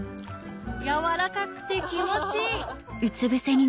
やわらかくて気持ちいい